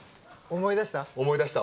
思い出したね。